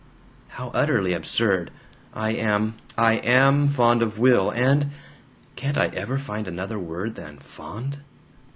How utterly absurd! "I am, I AM fond of Will, and Can't I ever find another word than 'fond'?